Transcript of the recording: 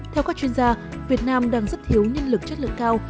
theo các chuyên gia việt nam đang rất thiếu nhân lực chất lượng cao